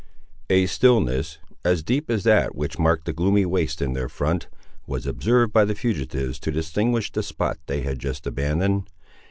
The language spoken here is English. A stillness, as deep as that which marked the gloomy wastes in their front, was observed by the fugitives to distinguish the spot they had just abandoned.